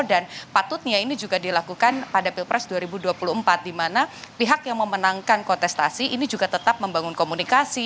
dan patutnya ini juga dilakukan pada pilpres dua ribu dua puluh empat dimana pihak yang memenangkan kontestasi ini juga tetap membangun komunikasi